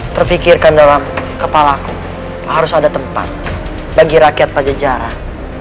terfikirkan dalam kepalaku harus ada tempat bagi rakyat pajajaran